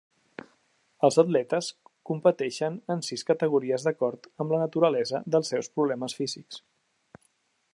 Els atletes competeixen en sis categories d'acord amb la naturalesa dels seus problemes físics.